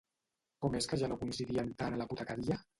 Com és que ja no coincidien tant a l'apotecaria?